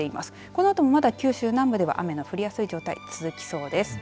このあともまだ九州南部では雨の降りやすい状態、続きそうです。